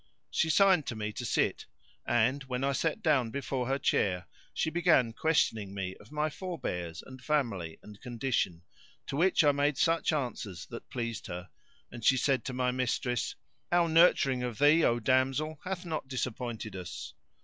She signed to me to sit and, when I sat down before her chair, she began questioning me of my forbears and family and condition, to which I made such answers that pleased her, and she said to my mistress, "Our nurturing of thee, O damsel, hath not disappointed us."